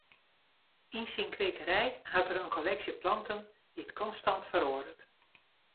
Yn syn kwekerij hat er in kolleksje planten dy't konstant feroaret.